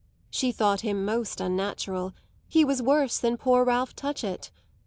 She thought him most unnatural; he was worse than poor Ralph Touchett.